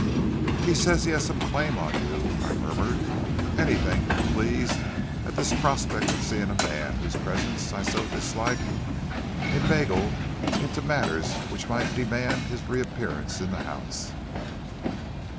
"'He says he has some claim on you,' I murmured, anything but pleased at this prospect of seeing a man whose presence I so disliked, inveigled into matters which might demand his reappearance in the house.